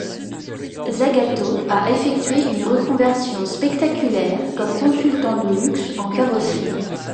Zagato a effectué une reconversion spectaculaire comme consultant de luxe en carrosserie.